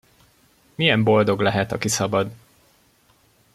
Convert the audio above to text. Milyen boldog lehet, aki szabad!